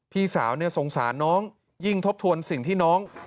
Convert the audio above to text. พี่สาวสงสารน้องยิ่งทบทวนสิ่งที่น้อง